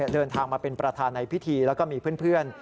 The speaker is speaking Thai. เดินทางมาเป็นประธานในพิธีแล้วก็มีเพื่อน